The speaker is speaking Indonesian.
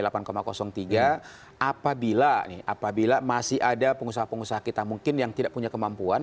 apabila masih ada pengusaha pengusaha kita mungkin yang tidak punya kemampuan